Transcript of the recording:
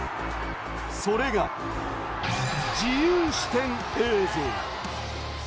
それが自由視点映像。